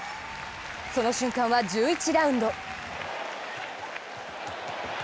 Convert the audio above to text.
その瞬間は、１１ラウンド。